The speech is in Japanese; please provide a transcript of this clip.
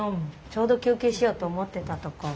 ちょうど休憩しようと思ってたとこ。